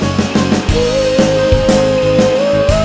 ฮู้ฮู้ฮู้